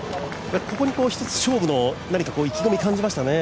ここに一つ、勝負の意気込みを感じましたね。